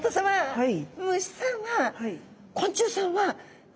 はい。